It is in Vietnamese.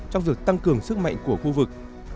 trong việc tăng cường sức mạnh của khu vực